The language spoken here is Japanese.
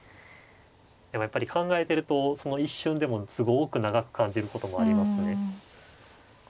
でもやっぱり考えてるとその一瞬でもすごく長く感じることもありますね。